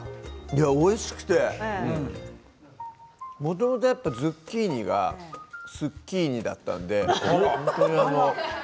おいしくてもともとズッキーニが好っきーにだったので。